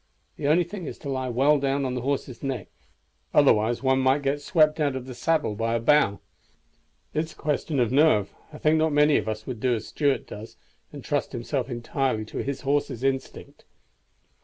The only thing is to lie well down on the horse's neck, otherwise one might get swept out of the saddle by a bough. It's a question of nerve, I think not many of us would do as Stuart does, and trust himself entirely to his horse's instinct."